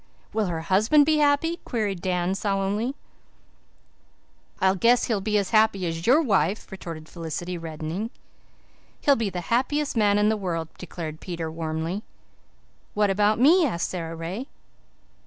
"Will her husband be happy?" queried Dan solemnly. "I guess he'll be as happy as your wife," retorted Felicity reddening. "He'll be the happiest man in the world," declared Peter warmly. "What about me?" asked Sara Ray.